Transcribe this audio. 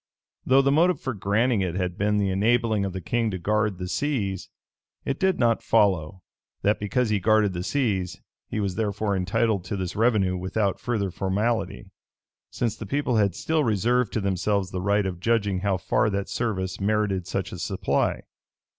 Though the motive for granting it had been the enabling of the king to guard the seas, it did not follow, that because he guarded the seas, he was therefore entitled to this revenue without further formality: since the people had still reserved to themselves the right of judging how far that service merited such a supply.